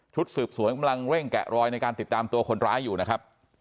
สืบสวนกำลังเร่งแกะรอยในการติดตามตัวคนร้ายอยู่นะครับ